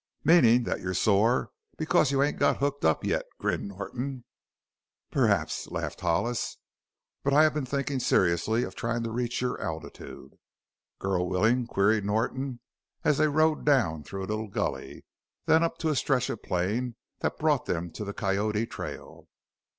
"Meanin' that you're some sore because you ain't got hooked up yet?" grinned Norton. "Perhaps," laughed Hollis. "But I have been thinking seriously of trying to reach your altitude." "Girl willin'?" queried Norton, as they rode down through a little gully, then up to a stretch of plain that brought them to the Coyote trail.